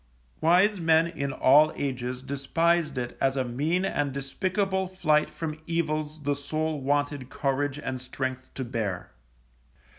Wise men in all ages despised it as a mean and despicable flight from evils the soul wanted courage and strength to bear.